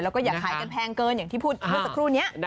แล้วก็อย่าขายกันแพงเกินอย่างที่พูดเมื่อสักครู่นี้